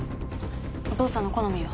お父さんの好みは？